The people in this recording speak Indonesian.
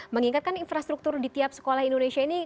mengingatkan infrastruktur di tiap sekolah indonesia ini